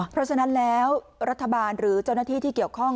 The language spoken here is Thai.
เพราะฉะนั้นแล้วรัฐบาลหรือเจ้าหน้าที่ที่เกี่ยวข้อง